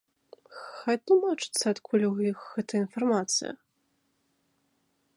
Хай тлумачацца, адкуль у іх гэта інфармацыя.